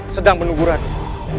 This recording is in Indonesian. sedang menunggu raden